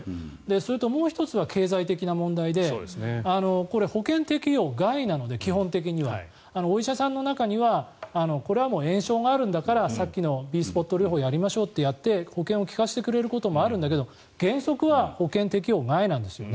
もう１つは経済的な問題でこれ、保険適用外なので基本的には。お医者さんの中にはこれは炎症があるんだからさっきのＢスポット療法やりましょうとやって保険を効かせてくれることもあるんだけど原則は保険適用外なんですよね。